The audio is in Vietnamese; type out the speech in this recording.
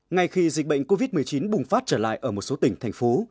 ngay khi dịch bệnh covid một mươi chín bùng phát trở lại ở một số tỉnh thành phố